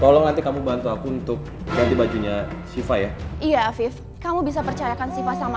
tolong nanti kamu bantu aku untuk ganti bajunya siva ya iya afif kamu bisa percayakan sifah sama